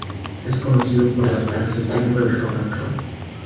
Es conocido por la frase: "¡Que Viva El Rock and Roll!".